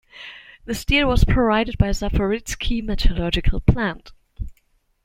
The steel was provided by Zaporizkyi Metallurgical Plant.